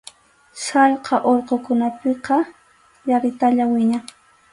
Sallqa urqukunapiqa yaritalla wiñan.